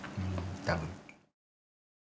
多分。